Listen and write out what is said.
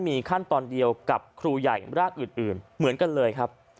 มีขั้นตอนเดียวกับครูใหญ่ร่างอื่นเหมือนกันเลยครับ